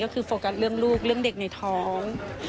ก็คือโฟกัสเรื่องลูกเรื่องเด็กในท้อง